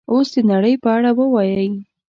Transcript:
اوس د نړۍ په اړه ووایئ